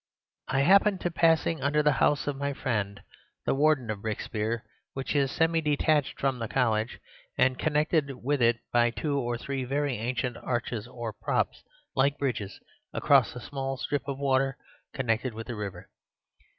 Hi happened to passing under the house of my friend the Warden of Brikespeare, which is semi detached from the College and connected with it by two or three very ancient arches or props, like bridges, across a small strip of water connected with the river.